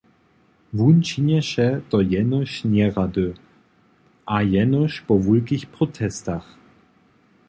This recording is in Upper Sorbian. Wón činješe to jenož njerady a jenož po wulkich protestach.